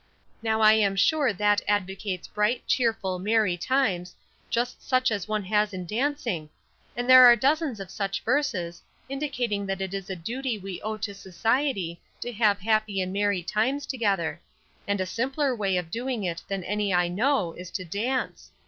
Now I am sure that advocates bright, cheerful, merry times, just such as one has in dancing; and there are dozens of such verses, indicating that it is a duty we owe to society to have happy and merry times together; and a simpler way of doing it than any I know is to dance.